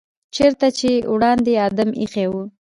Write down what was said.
چېرته چې وړاندې آدم ایښی و.